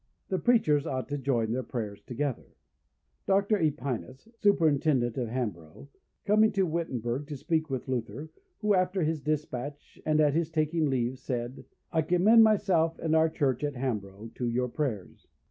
That Preachers ought to join their Prayers together. Dr. Aepinus, Superintendent of Hambrough, coming to Wittemberg to speak with Luther, who, after his dispatch, and at his taking leave, said, I commend myself and our church at Hambrough to your prayers.